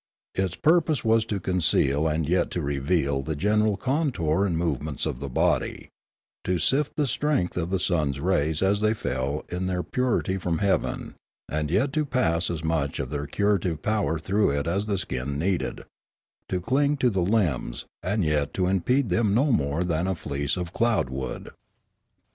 Its purpose was to conceal and yet to reveal the general contour and movements of the body; to sift the strength of the sun's rays as they fell in their purity from heaven, and yet to pass as much of their curative power through it as the skin needed ; to cling to the limbs, and yet to impede them no more than a fleece of cloud would.